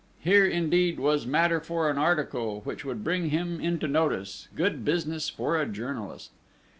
Here, indeed, was matter for an article which would bring him into notice good business for a journalist!